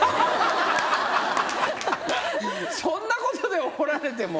そんなことで怒られても。